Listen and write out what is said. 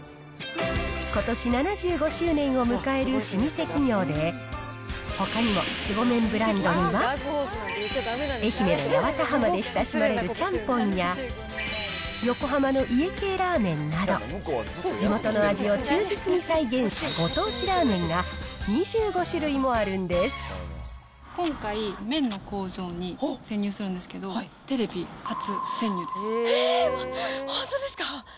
ことし７５周年を迎える老舗企業で、ほかにも凄麺ブランドには、愛媛の八幡浜で親しまれるチャンポンや、横浜の家系ラーメンなど、地元の味を忠実に再現したご当地ラーメンが、２５種類もあるん今回、麺の工場に潜入するんですけど、えー、本当ですか。